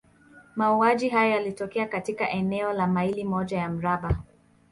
Mauaji haya yalitokea katika eneo la maili moja ya mraba.